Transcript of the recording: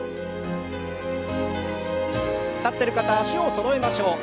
立ってる方は脚をそろえましょう。